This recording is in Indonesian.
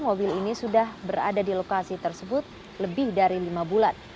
mobil ini sudah berada di lokasi tersebut lebih dari lima bulan